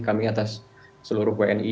kami atas seluruh wni